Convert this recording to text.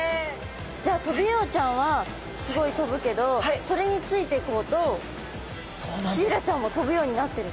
じゃあトビウオちゃんはすごい飛ぶけどそれについてこうとシイラちゃんも飛ぶようになってるってこと？